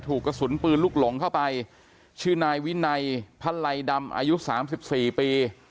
ถูกกระสุนปืนลูกหลงเข้าไปชื่อนายวินัยพระลัยดำอายุ๓๔ปี